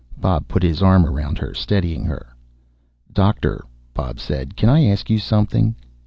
Bob put his arm around her, steadying her. "Doctor," Bob said, "can I ask you something?"